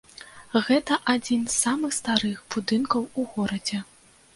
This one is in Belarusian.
Гэта адзін з самых старых будынкаў у горадзе.